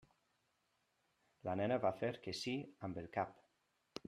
La nena va fer que sí amb el cap.